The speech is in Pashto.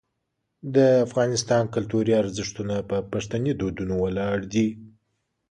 د افغانستان کلتوري ارزښتونه په پښتني دودونو ولاړ دي.